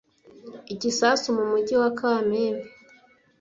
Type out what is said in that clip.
igisasu mu mujyi wa kamembe